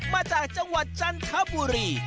มาจากจังหวัดจันทบุรี